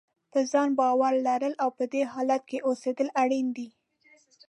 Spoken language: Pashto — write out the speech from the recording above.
په ځان باور لرل او په دې حالت کې اوسېدل اړین دي.